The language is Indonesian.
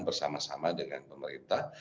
bersama sama dengan pemerintah